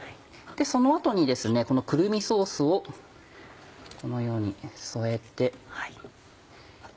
その後にこのくるみソースをこのように添えて。